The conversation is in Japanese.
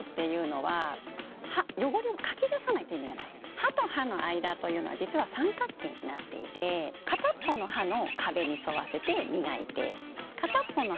歯と歯の間というのは実は三角形になっていて片っ方の歯の壁に沿わせて磨いて片っ方の歯に沿わせて磨く。